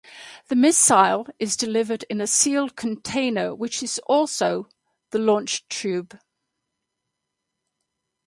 The missile is delivered in a sealed container which is also the launch tube.